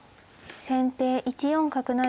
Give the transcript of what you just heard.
先手１四角成。